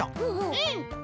うん。